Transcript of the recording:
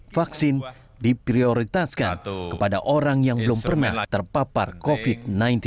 vaksin diprioritaskan kepada orang yang belum pernah terpapar covid sembilan belas